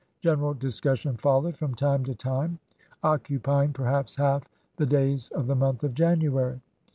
General discussion followed from time to time, occupying perhaps half the days of the month of January.